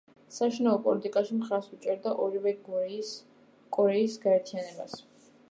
საშინაო პოლიტიკაში მხარს უჭერდა ორივე კორეის გაერთიანებას.